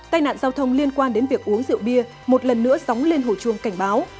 tai nạn giao thông liên quan đến việc uống rượu bia một lần nữa sóng lên hồ chuông cảnh báo